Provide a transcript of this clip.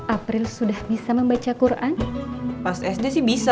april sudah bisa membaca quran pas sd